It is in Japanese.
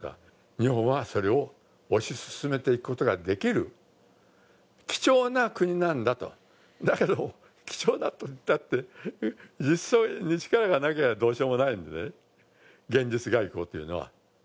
それは正しい原点だと思いますけれども日本はそれを推し進めていくことができる貴重な国なんだとだけど、貴重だといったって実際に力がなきゃどうしようもないんで、現実外交というのは。